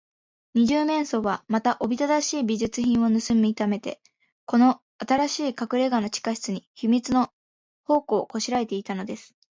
二十面相は、また、おびただしい美術品をぬすみためて、この新しいかくれがの地下室に、秘密の宝庫をこしらえていたのです。